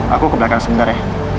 aku ke belakang sebentar ya